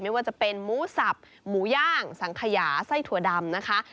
ไม่ว่าจะเป็นหมูสับหมูย่างสังขยาไส้ถั่วดำนะคะ